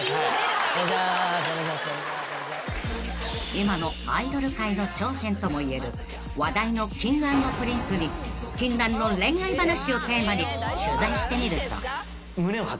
［今のアイドル界の頂点ともいえる話題のＫｉｎｇ＆Ｐｒｉｎｃｅに禁断の恋愛話をテーマに取材してみると］